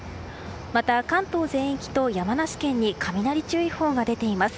また関東全域と山梨県に雷注意報が出ています。